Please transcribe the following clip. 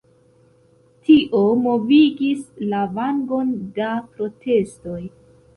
Tio movigis lavangon da protestoj.